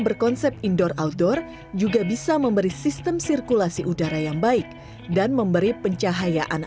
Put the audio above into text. berkonsep indoor outdoor juga bisa memberi sistem sirkulasi udara yang baik dan memberi pencahayaan